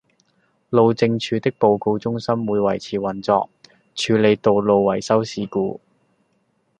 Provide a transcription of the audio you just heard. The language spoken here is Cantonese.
路政署的報告中心會維持運作，處理道路維修事故